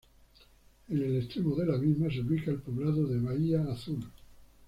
En el extremo de la misma se ubica el poblado de Bahía Azul.